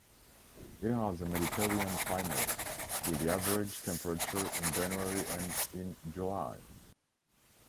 It has a Mediterranean climate, with the average temperature in January and in July.